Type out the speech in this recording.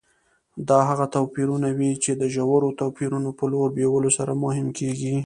دا هغه توپیرونه وي چې د ژورو توپیرونو په لور بیولو سره مهم کېږي.